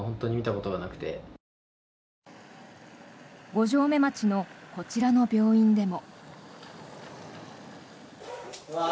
五城目町のこちらの病院でも。